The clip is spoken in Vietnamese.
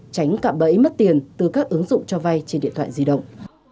tránh cạm bẫy mất tiền từ các ứng dụng cho vay trên điện thoại di động